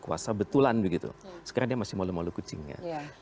kekuasaan betulan begitu sekarang dia masih maul maule kucingnya